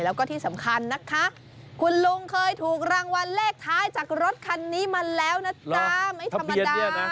แล้วก็ที่สำคัญนะคะคุณลุงเคยถูกรางวัลเลขท้ายจากรถคันนี้มาแล้วนะจ๊ะไม่ธรรมดา